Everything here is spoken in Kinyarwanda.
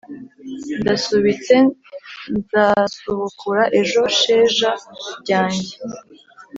Ndasubitse nzasubukura ejo sheja ryanjye